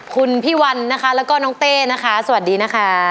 คุณพี่วันนะคะแล้วก็น้องเต้นะคะสวัสดีนะคะ